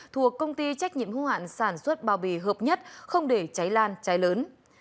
thuộc công ty trách nhiệm hữu hạn sản xuất bao bì hợp nhất không để cháy lan cháy lớn